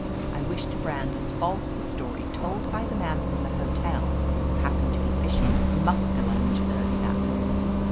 I wish to brand as false the story told by the man from the hotel who hap pened to be fishing for muskalunge early that morning.